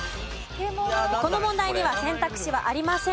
この問題には選択肢はありません。